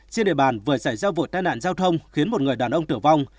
trên địa bàn vừa xảy ra vụ tai nạn giao thông khiến một người đàn ông tử vong